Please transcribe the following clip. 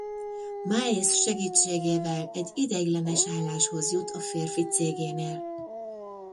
Miles segítségével egy ideiglenes álláshoz jut a férfi cégénél.